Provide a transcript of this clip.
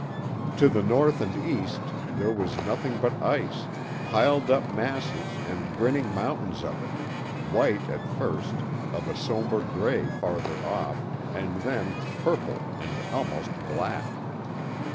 To the north and east there was nothing but ice, piled up masses and grinning mountains of it, white at first, of a somber gray farther off, and then purple and almost black.